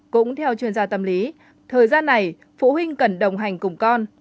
cũng theo chuyên gia tâm lý thời gian này phụ huynh cần đồng hành cùng con